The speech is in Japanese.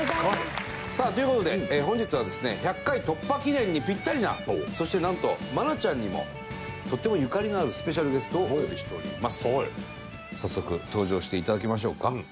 さあという事で本日はですね１００回突破記念にピッタリなそしてなんと愛菜ちゃんにもとってもゆかりのあるスペシャルゲストをお呼びしております。